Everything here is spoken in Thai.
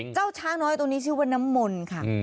เจ้าช้างน้อยตัวนี้ชื่อว่าน้ำมนต์ค่ะ